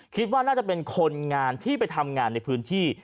คิดว่าน่าจะเป็นคนงานที่ไปทำงานในพื้นที่